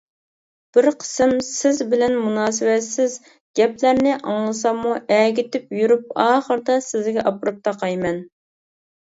بىر قىسىم سىز بىلەن مۇناسىۋەتسىز گەپلەرنى ئاڭلىساممۇ ئەگىتىپ يۈرۈپ ئاخىرىدا سىزگە ئاپىرىپ تاقايمەن.